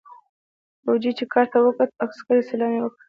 فوجي چې کارت ته وکوت عسکري سلام يې وکړ.